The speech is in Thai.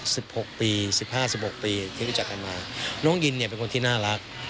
หกปีสิบห้าสิบหกปีที่รู้จักกันมาน้องยินเนี่ยเป็นคนที่น่ารัก